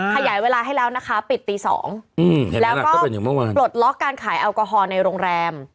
ขยายเวลาให้แล้วนะคะปิดตี๒แล้วก็ปลดล็อกการขายแอลกอฮอล์ในโรงแรม